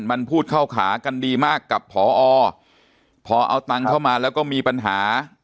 มันพูดเข้าขากันดีมากกับพอพอเอาตังค์เข้ามาแล้วก็มีปัญหา